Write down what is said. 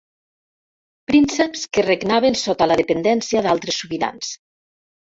Prínceps que regnaven sota la dependència d'altres sobirans.